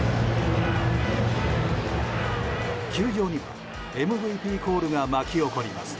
球場にはＭＶＰコールが巻き起こります。